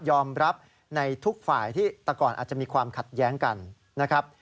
ยอมรับในทุกฝ่ายที่แต่ก่อนอาจจะมีความขัดแย้งกันนะครับ